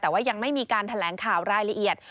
แต่ว่ายังไม่มีการแถลงข่าวรายละเอียด